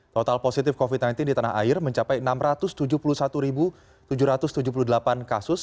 total positif covid sembilan belas di tanah air mencapai enam ratus tujuh puluh satu tujuh ratus tujuh puluh delapan kasus